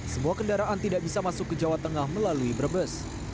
semua kendaraan tidak bisa masuk ke jawa tengah melalui brebes